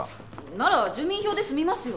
なら住民票で済みますよ。